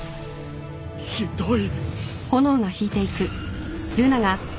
ひどい。